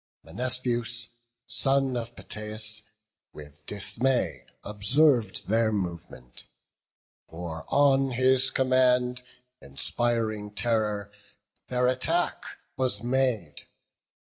Menestheus, son of Peteus, with dismay Observ'd their movement; for on his command, Inspiring terror, their attack was made.